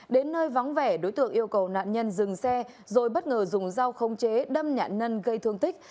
đến nơi vắng vẻ đối tượng yêu cầu nạn nhân dừng xe rồi bất ngờ dùng dao không chế đâm nạn nhân gây thương tích